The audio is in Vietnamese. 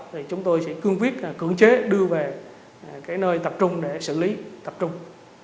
thì chúng tôi sẽ cương viết cưỡng chế đưa về cái nơi tập trung để xử lý tập trung